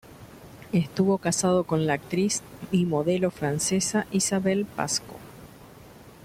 Estuvo casado con la actriz y modelo francesa Isabelle Pasco.